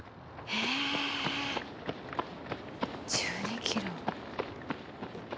えっ１２キロ。